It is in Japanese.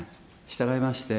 したがいまして、